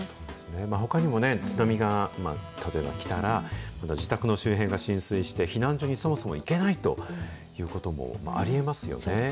ほかにもね、津波が例えば来たら、自宅の周辺が浸水して、避難所にそもそも行けないということもありえますよね。